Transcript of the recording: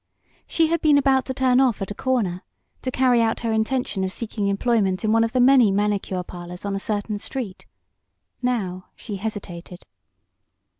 She had been about to turn off at a corner, to carry out her intention of seeking employment in one of the many manicure parlors on a certain street. Now she hesitated.